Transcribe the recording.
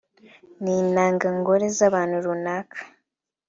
n’intanga ngore z’abantu runaka